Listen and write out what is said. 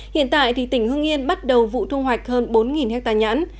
hiện tại tỉnh hương yên bắt đầu vụ thu hoạch hơn bốn hectare nhãn